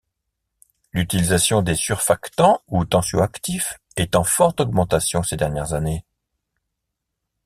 L’utilisation des surfactants ou tensioactifs est en forte augmentation ces dernières années.